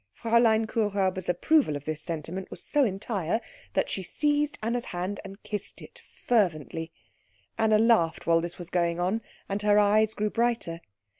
Fräulein Kuhräuber's approval of this sentiment was so entire that she seized Anna's hand and kissed it fervently. Anna laughed while this was going on, and her eyes grew brighter.